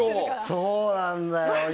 そうなんだよ。